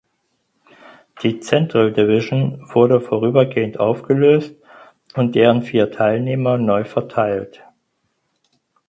Die Central Division wurde vorübergehend aufgelöst und deren vier Teilnehmer neu verteilt.